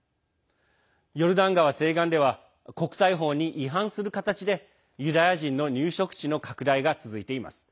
ヨルダン川西岸では国際法に違反する形でユダヤ人の入植地の拡大が続いています。